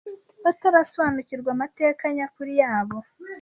batarasobanukirwa amateka nyakuri yabo,